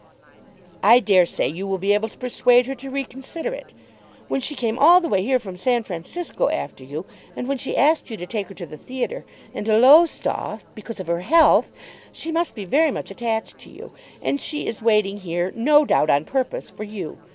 "I dare say you will be able to persuade her to reconsider it. When she came all the way here from San Francisco after you, and when she asked you to take her to the theatre, and to Lowestoft because of her health, she must be very much attached to you. And she is waiting here, no doubt on purpose for you.